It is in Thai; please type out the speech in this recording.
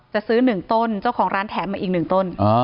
จะซื้อหนึ่งต้นเจ้าของร้านแถมมาอีกหนึ่งต้น